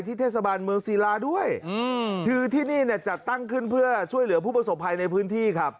เทศบาลเมืองศิลาด้วยคือที่นี่เนี่ยจัดตั้งขึ้นเพื่อช่วยเหลือผู้ประสบภัยในพื้นที่ครับ